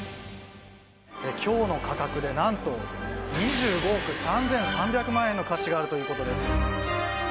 今日の価格でなんと２５億３３００万円の価値があるということです。